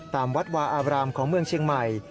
ตามวัดวาอาบรามของเมืองเชียงใหม่